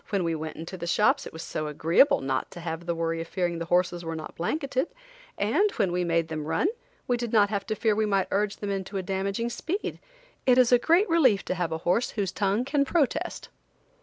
When we went into the shops it was so agreeable not to have the worry of fearing the horses were not blanketed, and when we made them run we did not have to fear we might urge them into a damaging speed. It is a great relief to have a horse whose tongue can protest.